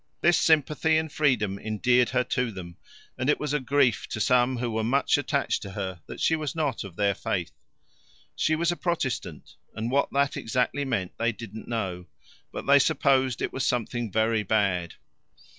This sympathy and freedom endeared her to them, and it was a grief to some who were much attached to her that she was not of their faith. She was a Protestant, and what that exactly meant they didn't know, but they supposed it was something very bad.